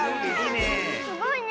すごいね。